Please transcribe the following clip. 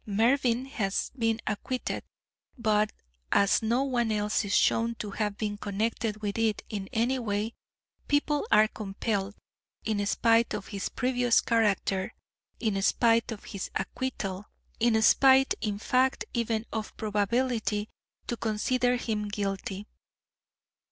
Mervyn has been acquitted, but as no one else is shown to have been connected with it in any way, people are compelled, in spite of his previous character, in spite of his acquittal, in spite in fact even of probability, to consider him guilty.